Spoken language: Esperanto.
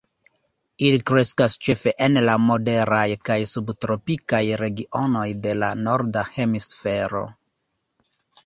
Ili kreskas ĉefe en la moderaj kaj subtropikaj regionoj de la norda hemisfero.